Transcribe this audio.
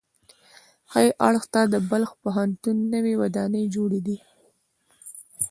ښي اړخ ته د بلخ پوهنتون نوې ودانۍ جوړې دي.